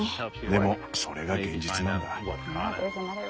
でもそれが現実なんだ。